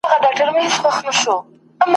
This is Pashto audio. ښايی چي لس تنه اورېدونکي به !.